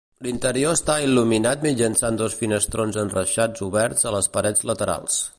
L'interior està il·luminat mitjançant dos finestrons enreixats oberts a les parets laterals.